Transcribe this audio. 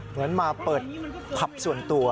เหมือนมาเปิดผับส่วนตัว